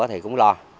thì cũng lo